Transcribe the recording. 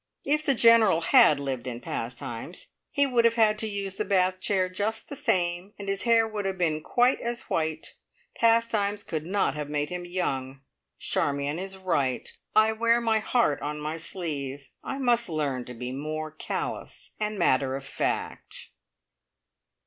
If the General had lived in Pastimes, he would have had to use the bath chair just the same, and his hair would have been quite as white! Pastimes could not have made him young! Charmion is right. I wear my heart on my sleeve. I must learn to be more callous and matter of fact!